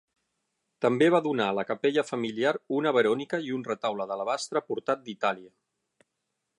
També va donar a la capella familiar una Verònica i un retaule d'alabastre portat d'Itàlia.